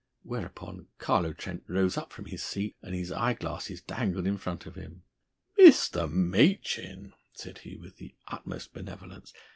Whereupon Carlo Trent rose up from his seat, and his eye glasses dangled in front of him. "Mr. Machin," said he with the utmost benevolence.